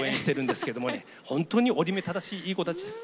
本当に折り目正しいいい子たちです。